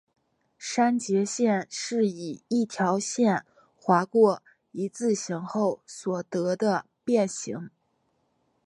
删节线是以一条线划过一字形后所得的变型。